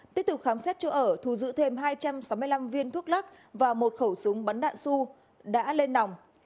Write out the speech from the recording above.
tiếp tục khám xét chỗ ở thu giữ thêm hai trăm sáu mươi năm viên thuốc lắc và một khẩu súng bắn đạn su đã lên nòng